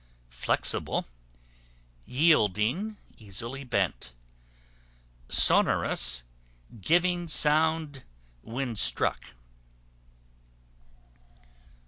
Flexible, yielding, easily bent. Sonorous, giving sound when struck.